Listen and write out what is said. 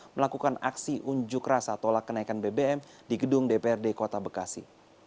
melakukan aksi unjuk rasa tolak kenaikan bbm di gedung dprd kota bekasi